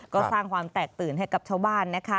ก็สร้างความแตกตื่นให้กับชาวบ้านนะคะ